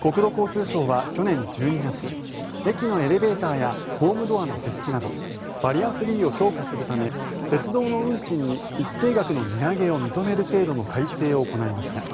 国土交通省は去年１２月駅のエレベーターやホームドアの設置などバリアフリーを強化するため鉄道の運賃に一定額の値上げを認める制度の改正を行いました。